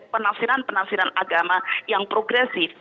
penafsiran penafsiran agama yang progresif